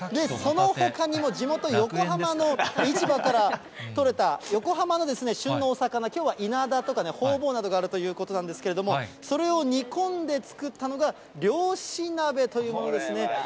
そのほかにも地元、横浜の市場から取れた横浜の旬のお魚、きょうはイナダとかホウボウなどがあるということなんですけれども、それを煮込んで作ったのが、漁師鍋というものですね。